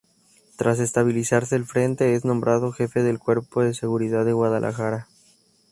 Tras estabilizarse el frente, es nombrado Jefe del Cuerpo de Seguridad de Guadalajara.